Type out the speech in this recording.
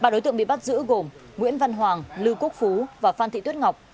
ba đối tượng bị bắt giữ gồm nguyễn văn hoàng lưu quốc phú và phan thị tuyết ngọc